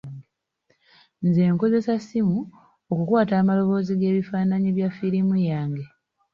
Nze nkozesa ssimu okukwata amalaboozi g'ebifaananyi bya firimu yange.